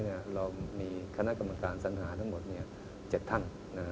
เรามีคณะกรรมการสัญหาทั้งหมด๗ท่าน